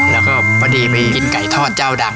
แล้วก็พอดีไปกินไก่ทอดเจ้าดัง